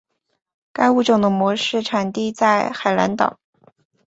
该物种的模式产地在海南岛。